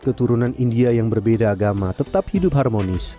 keturunan india yang berbeda agama tetap hidup harmonis